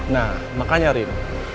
nah makanya rin